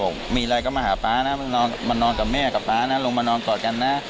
บอกมีอะไรก็มาหาป๊านะมานอนกับแม่กับป๊านะลงมานอนกอดกันนะ